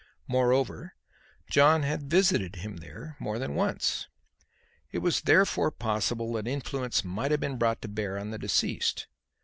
Moreover John had visited him there more than once. It was therefore possible that influence might have been brought to bear on the deceased.